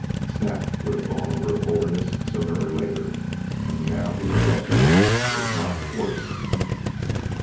Snap would have gone over to Holderness sooner or later. And now he's a rustler, if not worse."